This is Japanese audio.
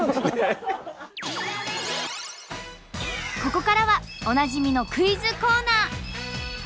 ここからはおなじみのクイズコーナー！